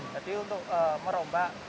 jadi untuk merombak